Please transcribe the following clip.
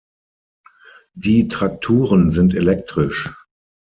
Die Trakturen sind elektrisch.